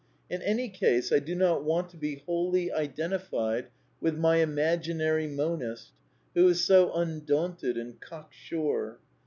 In any case I do not want to be wholly identified with my imag inary monist, who is so undaunted and cock sure.